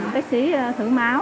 bác sĩ thử máu